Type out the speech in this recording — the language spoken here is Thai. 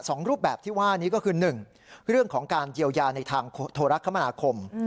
รูปแบบที่ว่านี้ก็คือหนึ่งเรื่องของการเยียวยาในทางโทรคมนาคม